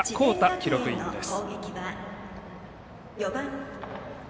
記録員です。